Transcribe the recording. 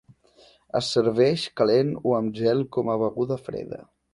Es serveix calent o amb gel com a beguda freda.